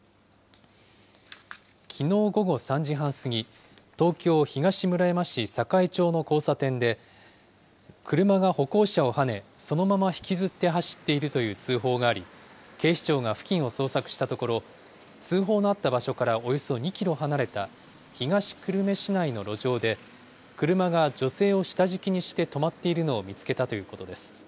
きのう午後３時半過ぎ、東京・東村山市栄町の交差点で、車が歩行者をはね、そのまま引きずって走っているという通報があり、警視庁が付近を捜索したところ、通報のあった場所からおよそ２キロ離れた東久留米市内の路上で、車が女性を下敷きにして止まっているのを見つけたということです。